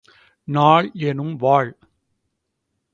நாள் எனும் வாள்!